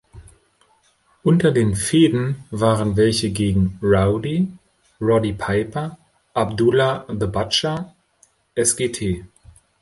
Unter den Fehden waren welche gegen „Rowdy“ Roddy Piper, Abdullah the Butcher, Sgt.